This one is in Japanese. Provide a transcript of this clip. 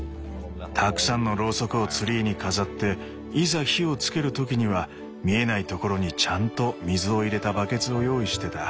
たくさんのロウソクをツリーに飾っていざ火をつける時には見えないところにちゃんと水を入れたバケツを用意してた。